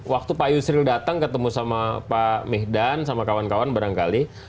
waktu pak yusril datang ketemu sama pak mihdan sama kawan kawan barangkali